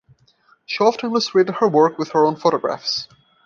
She often illustrated her work with her own photographs.